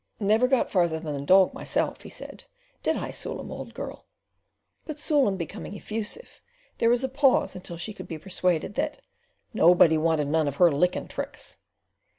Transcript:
"Never got farther than the dog myself," he said. "Did I Sool'em, old girl?" But Sool'em becoming effusive there was a pause until she could be persuaded that "nobody wanted none of her licking tricks."